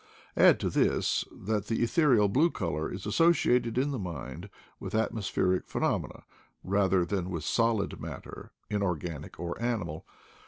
Add to this that the ethereal blue color is associated in the mind with atmospheric phenom ena rather than with solid matter, inorganic or animal.